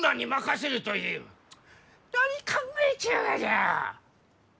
何考えちゅうがじゃ！